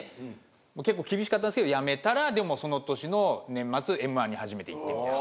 結構厳しかったですけど辞めたらでもその年の年末Ｍ−１に初めて行ってみたいな。